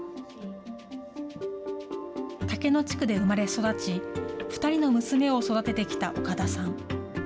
竹野地区で生まれ育ち、２人の娘を育ててきた岡田さん。